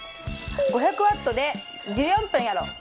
５００ワットで１４分やろう。